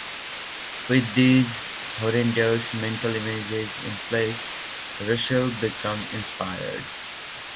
With these horrendous mental images in place, Russell became inspired.